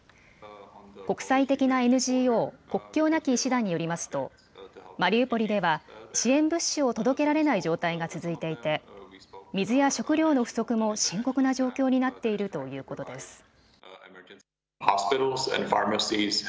国際的なＮＧＯ国境なき医師団によりますとマリウポリでは支援物資を届けられない状態が続いていて水や食料の不足も深刻な状況になっているということです。